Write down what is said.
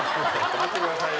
待ってくださいよ。